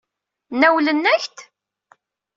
Nawlen-ak-d?